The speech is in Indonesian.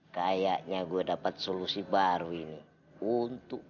kayaknya gue dapat solusi baru ini